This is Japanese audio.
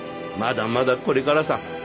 まだまだこれからさ。